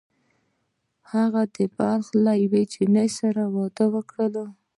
هغه د بلخ له یوې نجلۍ سره واده وکړ